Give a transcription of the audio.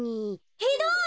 ひどい。